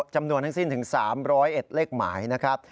จำนวนทั้งสิ้นถึง๓๐๑เลขหมายนะครับ